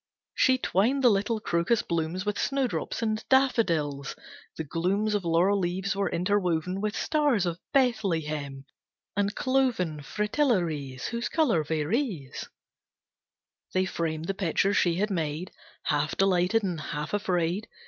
She twined the little crocus blooms With snowdrops and daffodils, the glooms Of laurel leaves were interwoven With Stars of Bethlehem, and cloven Fritillaries, Whose colour varies. They framed the picture she had made, Half delighted and half afraid.